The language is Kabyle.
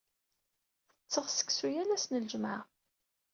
Ttetteɣ seksu yal ass n ljemɛa.